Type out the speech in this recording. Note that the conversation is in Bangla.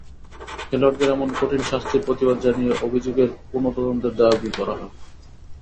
খেলোয়াড়দের এমন কঠিন শাস্তির প্রতিবাদ জানিয়ে অভিযোগের পুনঃ তদন্তেরও দাবি করা হয়।